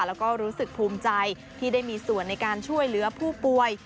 แล้วก็รู้สึกภูมิใจที่ได้มีส่วนในการช่วยเหลือผู้ป่วย